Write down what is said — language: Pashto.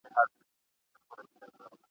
پرېږده پنځه زره کلن خوبونه وزنګوو ..